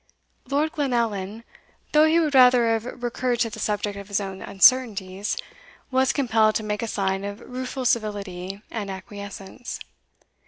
Lord Glenallan, though he would rather have recurred to the subject of his own uncertainties, was compelled to make a sign of rueful civility and acquiescence.